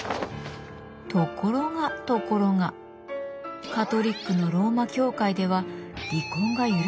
ところがところがカトリックのローマ教会では離婚が許されていません。